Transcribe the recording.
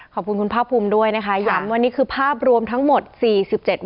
ขอบคุณคุณภาคภูมิด้วยนะคะย้ำว่านี่คือภาพรวมทั้งหมด๔๗วัน